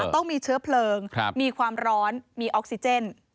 ต้องมีเชื้อเพลิงมีความร้อนมีออกซิเจน